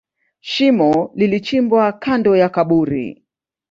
Shimo lilichimbwa kando ya kaburi.